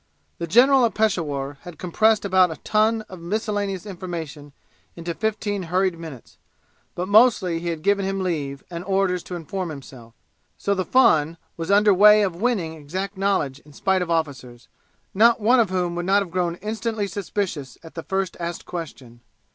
The general at Peshawur had compressed about a ton of miscellaneous information into fifteen hurried minutes, but mostly he had given him leave and orders to inform himself; so the fun was under way of winning exact knowledge in spite of officers, not one of whom would not have grown instantly suspicions at the first asked question.